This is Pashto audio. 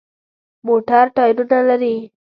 موټر ټایرونه لري.